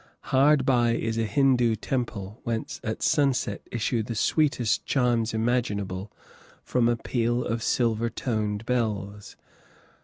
Hard by is a Hindoo temple, whence at sunset issue the sweetest chimes imaginable from a peal of silver toned bells.